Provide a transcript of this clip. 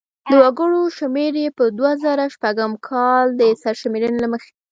د وګړو شمیر یې په دوه زره شپږم کال د سرشمېرنې له مخې و.